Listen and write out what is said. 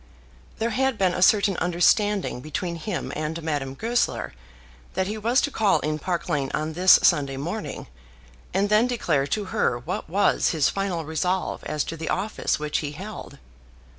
There had been a certain understanding between him and Madame Goesler that he was to call in Park Lane on this Sunday morning, and then declare to her what was his final resolve as to the office which he held.